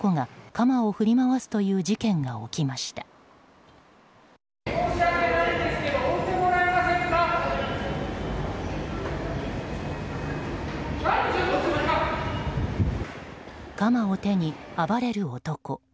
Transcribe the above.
鎌を手に暴れる男。